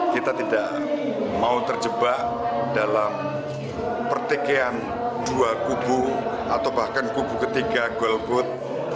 kita tidak mau terjebak dalam pertikaian dua kubu atau bahkan kubu ketiga golput